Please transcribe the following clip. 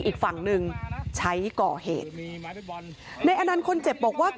นี่นี่นี่นี่นี่